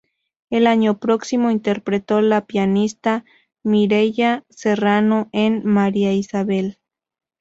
El año próximo, interpretó la pianista Mireya Serrano en "María Isabel".